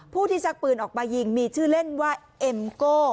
ผู้ที่ชักปืนออกมายิงมีชื่อเล่นว่าเอ็มโก้